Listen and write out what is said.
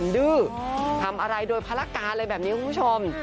ดื้อทำอะไรโดยภารการอะไรแบบนี้คุณผู้ชม